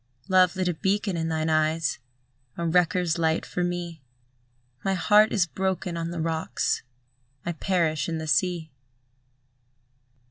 Love lit a beacon in thine eyes, A wreckers' light for me; My heart is broken on the rocks; I perish in the sea.